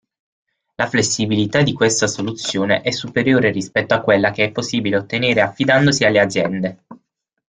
La flessibilità di questa soluzione è superiore rispetto a quella che è possibile ottenere affidandosi alle aziende.